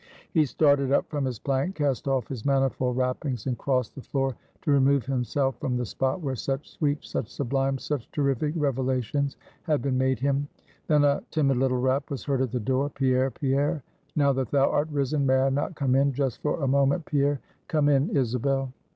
He started up from his plank; cast off his manifold wrappings, and crossed the floor to remove himself from the spot, where such sweet, such sublime, such terrific revelations had been made him. Then a timid little rap was heard at the door. "Pierre, Pierre; now that thou art risen, may I not come in just for a moment, Pierre." "Come in, Isabel."